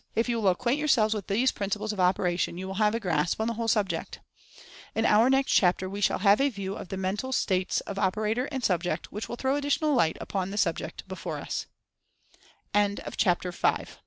If you will acquaint yourselves with these principles of operation, you will have a grasp on the whole subject. In our next chapter we shall have a view of the Mental States of Operator and Subject, which will throw additional